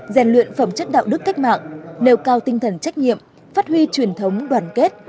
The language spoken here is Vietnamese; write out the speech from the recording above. rèn luyện phẩm chất đạo đức cách mạng nêu cao tinh thần trách nhiệm phát huy truyền thống đoàn kết